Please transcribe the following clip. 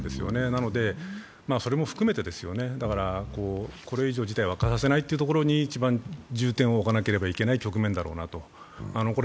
なのでそれも含めて、これ以上、事態を悪化させないところに一番重点を置かなければいけない局面だろうなと。